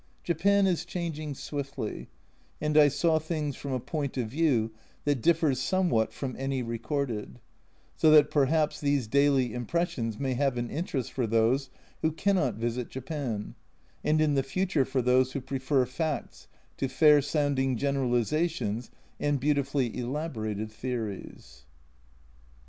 Japan is changing swiftly, and I saw things from a point of view that differs somewhat from any recorded, so that perhaps these daily im pressions may have an interest for those who cannot visit Japan, and in the future for those who prefer facts to fair sounding generalisations and beautifully elaborated theories.